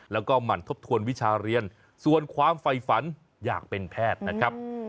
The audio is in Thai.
แล้วก็หมั่นทบทวนวิชาเรียนส่วนความไฟฝันอยากเป็นแพทย์นะครับ